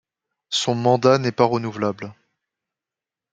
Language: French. Son mandat n'est pas renouvelable.